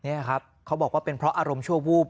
นี่ครับเขาบอกว่าเป็นเพราะอารมณ์ชั่ววูบ